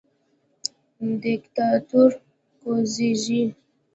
دیکتاتور کوزیږي